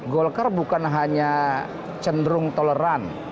golkar bukan hanya cenderung toleran